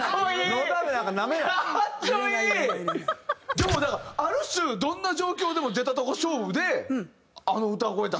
でもだからある種どんな状況でも出たとこ勝負であの歌声を出せるという事じゃないですか。